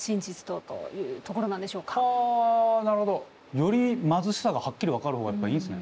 より貧しさがはっきり分かる方がやっぱいいんすね。